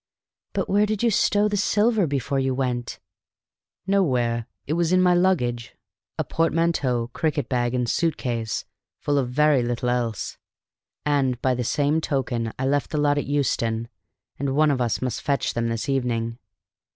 "But where did you stow the silver before you went?" "Nowhere; it was my luggage a portmanteau, cricket bag, and suit case full of very little else and by the same token I left the lot at Euston, and one of us must fetch them this evening."